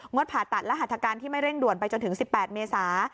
ผ่าตัดและหัตถการที่ไม่เร่งด่วนไปจนถึง๑๘เมษา